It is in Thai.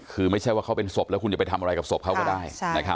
คือไม่ใช่ว่าเขาเป็นศพแล้วคุณจะไปทำอะไรกับศพเขาก็ได้